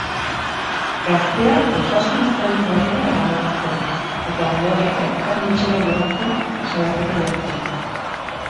Gaztea osasun zentro batera eraman zuten eta ondoren ertzain-etxera joan zen salaketa jartzera.